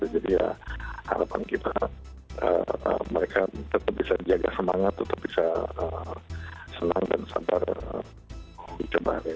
jadi harapan kita mereka tetap bisa jaga semangat tetap bisa senang dan sabar untuk mencoba hari ini